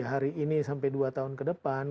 hari ini sampai dua tahun ke depan